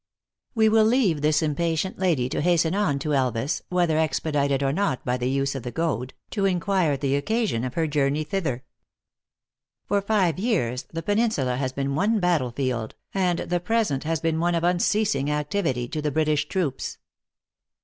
"We will leave this impatient lady to hasten on to Elvas, whether expedited or not by the use of the goad, to inquire the occasion of her journey thither. For five years the peninsula has been one battle field, and the present has been one of unceasing activ ity to the British troops.